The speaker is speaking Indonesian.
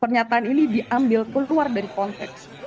pernyataan ini diambil keluar dari konteks